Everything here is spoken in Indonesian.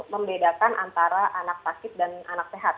membedakan antara anak sakit dan anak sehat